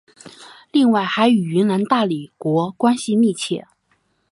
另外还与云南大理国关系密切。